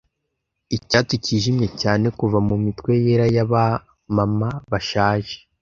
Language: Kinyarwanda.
Iki cyatsi cyijimye cyane kuva mumitwe yera ya ba mama bashaje,